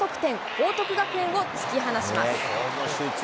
報徳学園を突き放します。